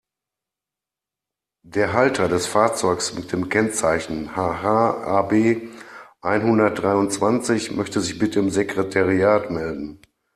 Der Halter des Fahrzeugs mit dem Kennzeichen HH-AB-einhundertdreiundzwanzig möchte sich bitte im Sekretariat melden.